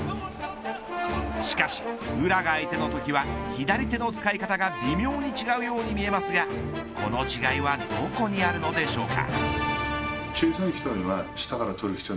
しかし、宇良が相手のときは左手の使い方が微妙に違うように見えますがその違いはどこにあるのでしょうか。